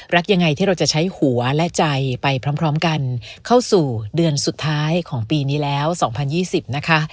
รักยังไงที่เราจะใช้หัวและใจไปพร้อมกันเข้าสู่เดือนสุดท้ายของปีนี้แล้ว๒๐๒๐นะคะ